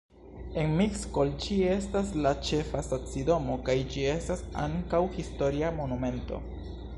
En Miskolc ĝi estas la ĉefa stacidomo kaj ĝi estas ankaŭ historia monumento.